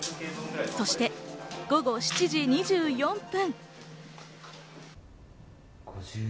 そして午後７時２４分。